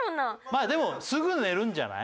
まあでも。